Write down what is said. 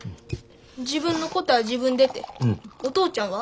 自分のことは自分でてお父ちゃんは？